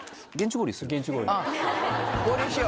合流しよう。